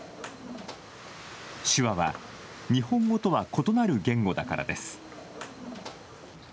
手話は日本語とは異なる言語だからです。